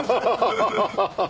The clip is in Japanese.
ハハハハ！